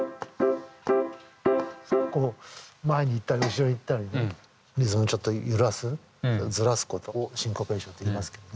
こう前に行ったり後ろに行ったりねリズムをちょっと揺らすずらすことをシンコペーションといいますけどね。